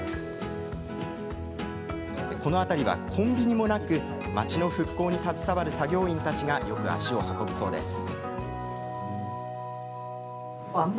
この辺りはコンビニもなく町の復興に携わる作業員たちがよく足を運ぶそうです。